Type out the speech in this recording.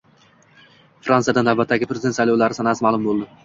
Fransiyada navbatdagi prezident saylovlari sanasi ma'lum bo‘ldi